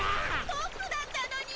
トップだったのに！